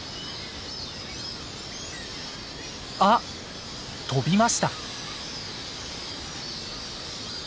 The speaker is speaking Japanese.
あっ飛びました。